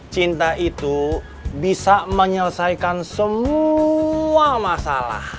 cinta itu bisa menyelesaikan semua masalah